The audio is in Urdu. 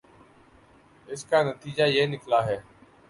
اس کا نتیجہ یہ نکلا ہے